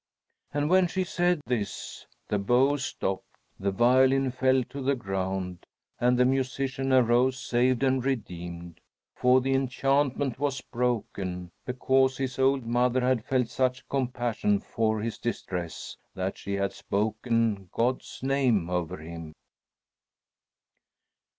And when she said this, the bow stopped, the violin fell to the ground, and the musician arose saved and redeemed. For the enchantment was broken, because his old mother had felt such compassion for his distress that she had spoken God's name over him.